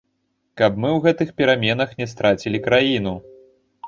Каб мы ў гэтых пераменах не страцілі краіну.